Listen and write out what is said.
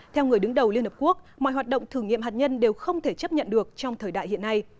theo người đứng đầu liên hợp quốc mọi hoạt động thử nghiệm hạt nhân đều không thể chấp nhận được trong thời đại hiện nay